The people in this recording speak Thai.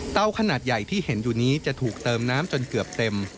ขนาดใหญ่ที่เห็นอยู่นี้จะถูกเติมน้ำจนเกือบเต็ม